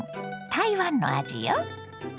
台湾の味よ。